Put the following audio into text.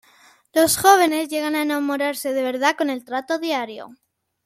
Los jóvenes llegan a enamorarse de verdad con el trato diario.